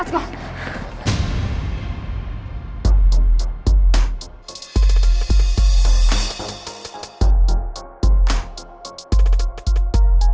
sekarang dia buta